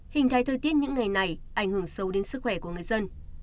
hình thái thời tiết những ngày này ảnh hưởng sâu đến sức khỏe của người dân